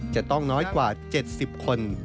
จะต้องน้อยกว่า๗๐คน